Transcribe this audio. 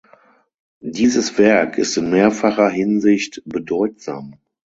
Dieses Werk ist in mehrfacher Hinsicht bedeutsam.